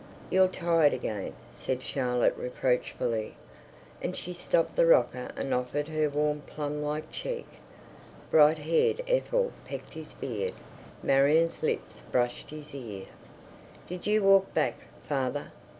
"You're tired again," said Charlotte reproachfully, and she stopped the rocker and offered her warm plum like cheek. Bright haired Ethel pecked his beard, Marion's lips brushed his ear. "Did you walk back, father?"